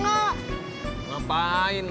ngapain ajak ajak nggak ngapain